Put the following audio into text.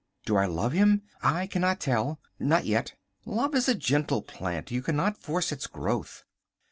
Do I love him? I cannot tell. Not yet. Love is a gentle plant. You cannot force its growth.